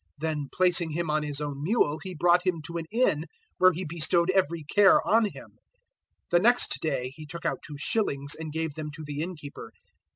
Then placing him on his own mule he brought him to an inn, where he bestowed every care on him. 010:035 The next day he took out two shillings and gave them to the innkeeper.